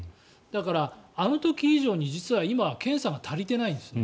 だから、あの時以上に実は今検査が足りていないんです。